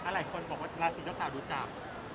หลายคนบอกว่าราศีเจ้าขาวดูจาก